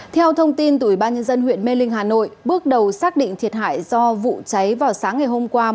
theo thông tin từ ủy ban nhân dân huyện mê linh hà nội bước đầu xác định thiệt hại do vụ cháy vào sáng ngày hôm qua